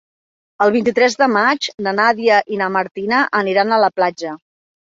El vint-i-tres de maig na Nàdia i na Martina aniran a la platja.